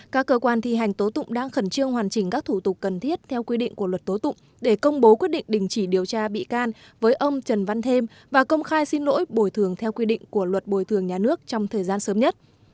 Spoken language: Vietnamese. các cơ quan thi hành tố tụng đang khẩn trương hoàn chỉnh các thủ tục cần thiết theo quy định của luật tố tụng để công bố quyết định đình chỉ điều tra bị can với ông trần văn thêm và công khai xin lỗi bồi thường theo quy định của luật bồi thường nhà nước trong thời gian sớm nhất